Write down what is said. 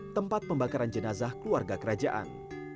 tempat pembakaran jenazah keluarga kerajaan